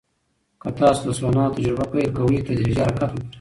که تاسو د سونا تجربه پیل کوئ، تدریجي حرکت وکړئ.